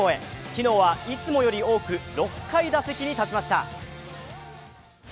昨日はいつもより多く６回打席に立ちました。